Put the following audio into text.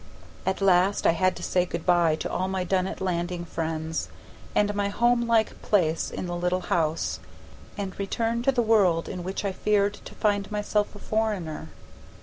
At last I had to say good by to all my Dunnet Landing friends, and my homelike place in the little house, and return to the world in which I feared to find myself a foreigner.